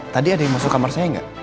tadi ada yang masuk kamarvordan